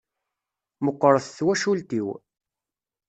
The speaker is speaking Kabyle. Meqqret twacult-iw.